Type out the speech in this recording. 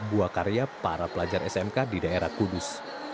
buah karya para pelajar smk di daerah kudus